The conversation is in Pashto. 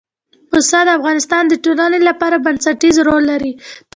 پسه د افغانستان د ټولنې لپاره بنسټيز رول لري.